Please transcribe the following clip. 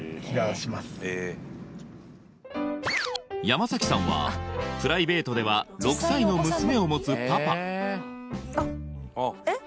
山さんはプライベートでは６歳の娘を持つパパあっえっ？